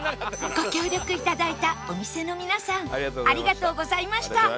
ご協力頂いたお店の皆さんありがとうございました